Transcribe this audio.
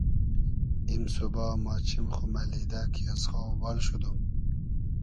ایم سوبا ما چیم خو مئلیدۂ کی از خاو بال شودوم